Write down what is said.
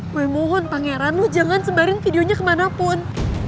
gue mohon pangeran lo jangan sembarin videonya kemanapun